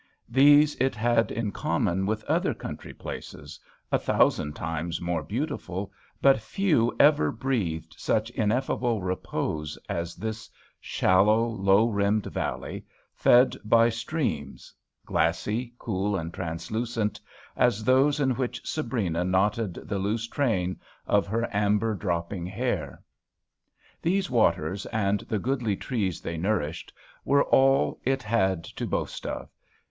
These it had in common with other country places a thousand times more beautiftil, but few ever breathed such ineffable repose as this shallow, low rimmed valley, fed by streams "glassy, cool, and translucent," as those in which Sabrina knotted " the loose train of ' her amber dropping hair." These waters and the goodly trees they nourished HAMPSHIRE VIGNETTES were all it had to boast of.